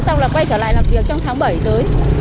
xong là quay trở lại làm việc trong tháng bảy tới